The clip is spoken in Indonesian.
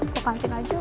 kau kancing aja